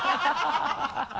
ハハハ